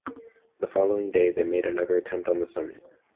The following day they made another attempt on the summit.